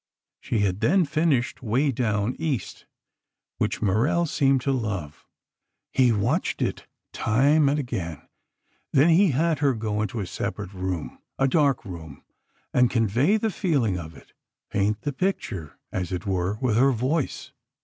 She had then finished "Way Down East," which Maurel seemed to love. He watched it, time and again; then he had her go into a separate room, a dark room, and convey the feeling of it—paint the picture, as it were, with her voice.